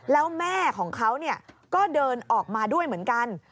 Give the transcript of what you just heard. แล้วแม่ของเขาก็เดินออกมาด้วยเหมือนกัน